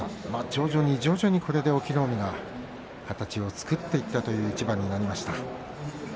徐々に徐々にこれで隠岐の海が形を作っていったという一番になりました。